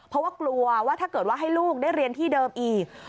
เพราะว่ากลัวว่าถ้าเกิดว่าให้ลูกได้เรียนที่เดิมอีก